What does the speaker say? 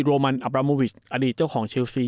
โรมันอับราโมวิชอดีตเจ้าของเชลซี